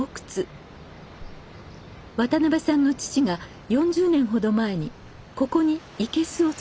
渡辺さんの父が４０年ほど前にここに生けすをつくりました。